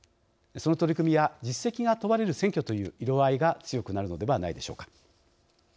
その取り組みや実績が問われる選挙という色合いが強くなるのではないでしょうか。